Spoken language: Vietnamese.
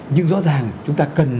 nhưng rõ ràng chúng ta cần